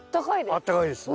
あったかいです。